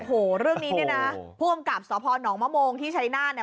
โอ้โหเรื่องนี้เนี่ยนะผู้กำกับสพนมะโมงที่ชัยนาธเนี่ย